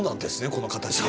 この形で。